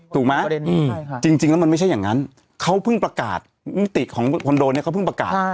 ถูกไหมจริงแล้วมันไม่ใช่อย่างนั้นเขาเพิ่งประกาศมิติของคอนโดเนี่ยเขาเพิ่งประกาศ